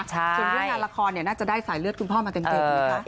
ส่วนเรื่องงานละครเนี่ยน่าจะได้สายเลือดคุณพ่อมาเต็มเก่งไหมคะ